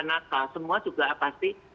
nakal semua juga pasti